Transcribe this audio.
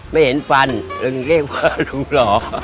ไม่เห็นฟันอึงเรียกว่าลุงหล่อ